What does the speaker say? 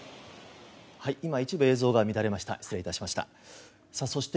今、一部映像が乱れました。